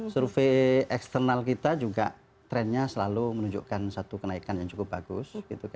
survei eksternal kita juga trennya selalu menunjukkan satu kenaikan yang cukup bagus